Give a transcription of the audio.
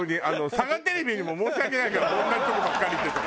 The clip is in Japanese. サガテレビにも申し訳ないから同じとこばっかり行ってたら。